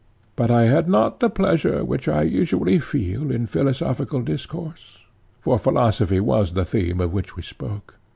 But I had not the pleasure which I usually feel in philosophical discourse (for philosophy was the theme of which we spoke).